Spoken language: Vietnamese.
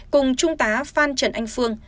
cùng trung tá phan trần anh phương